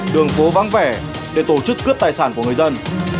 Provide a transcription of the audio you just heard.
đường phố vắng vẻ để tổ chức cướp tài sản của người dân